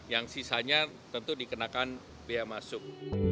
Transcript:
yang sisanya tentu dikenakan biaya masuk